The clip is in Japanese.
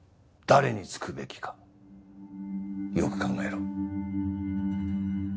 誰につくべきかよく考えろ。